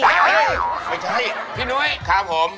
ไม่ใช่พี่นุ้ยครับผม